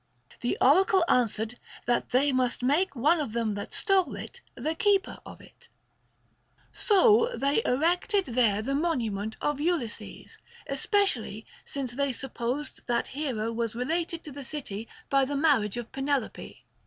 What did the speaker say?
The oracle answered that they must make one of them that stole it the keeper of it. So they erected there the monument of Ulysses, especially since they supposed that hero was related to the city by the marriage of Penelope.